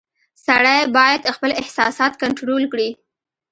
• سړی باید خپل احساسات کنټرول کړي.